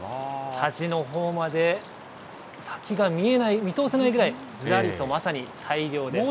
端のほうまで、先が見えない、見通せないぐらい、ずらりとまさに大量です。